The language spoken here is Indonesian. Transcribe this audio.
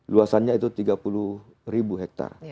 luasannya itu tiga puluh ribu hektare